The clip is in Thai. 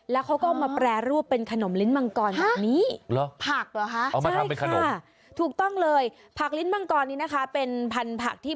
แล้วเขาก็มาแปรรูปเป็นขนมลิ้นมังกรแบบนี้